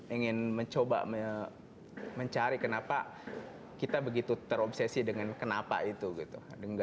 ingin mencoba mencari kenapa kita begitu terobsesi dengan kenapa itu gitu